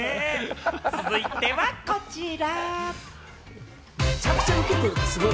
続いてはこちら。